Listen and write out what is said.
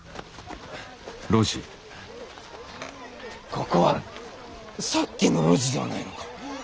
ここはさっきの路地ではないのか。